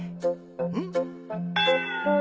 うん？